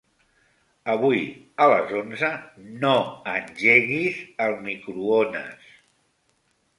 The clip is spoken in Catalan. Avui a les onze no engeguis el microones.